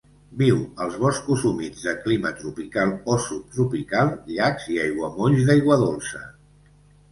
Viu als boscos humits de clima tropical o subtropical, llacs i aiguamolls d'aigua dolça.